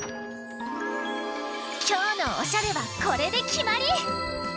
きょうのおしゃれはこれできまり！